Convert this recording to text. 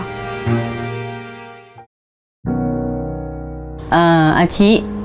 อาชิ